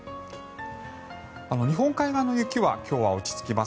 日本海側の雪は今日は落ち着きます。